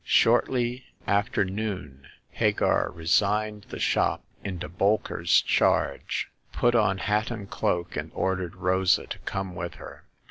Shortly after noon Hagar resigned the shop into Bolker*s charge, put on hat and cloak, and ordered Rosa to come with her.